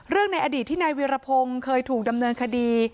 ในอดีตที่นายวิรพงศ์เคยถูกดำเนินคดี